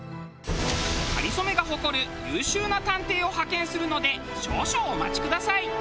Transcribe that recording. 『かりそめ』が誇る優秀な探偵を派遣するので少々お待ちください。